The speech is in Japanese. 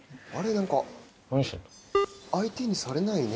何か相手にされないね。